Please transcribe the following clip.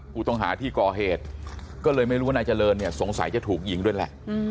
ผู้ต้องหาที่ก่อเหตุก็เลยไม่รู้ว่านายเจริญเนี่ยสงสัยจะถูกยิงด้วยแหละ